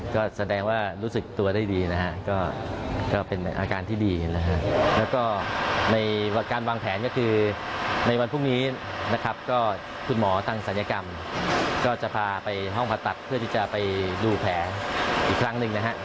ก็แสดงว่ารู้สึกตัวได้ดีนะฮะก็เป็นอาการที่ดีนะฮะแล้วก็ในการวางแผนก็คือในวันพรุ่งนี้นะครับก็คุณหมอทางศัลยกรรมก็จะพาไปห้องผ่าตัดเพื่อที่จะไปดูแผลอีกครั้งหนึ่งนะฮะ